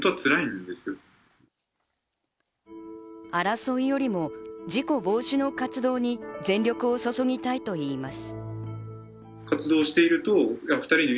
争いよりも事故防止の活動に全力を注ぎたいと言います。